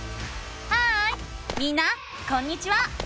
ハーイみんなこんにちは！